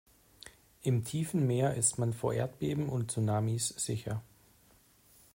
Im tiefen Meer ist man vor Erdbeben und Tsunamis sicher.